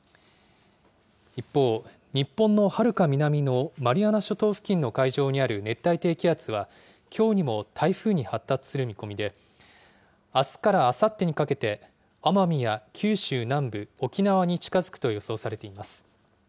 一方、日本のはるか南のマリアナ諸島付近の海上にある熱帯低気圧は、きょうにも台風に発達する見込みで、あすからあさってにかけて、奄美や九州南部、沖縄に近づくと予想されています。